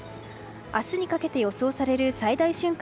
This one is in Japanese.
明日にかけて予想される最大瞬間